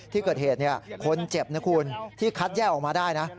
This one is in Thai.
ที่เกิดเหตุคนเจ็บนะคุณที่คัดแยกออกมาได้นะ